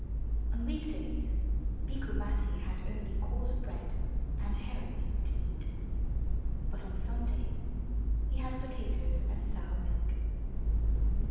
On week days Bikku Matti had only coarse bread and herring to eat, but on Sundays he had potatoes and sour milk.